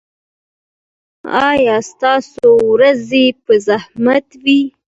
ایا ستاسو ورېځې به رحمت وي؟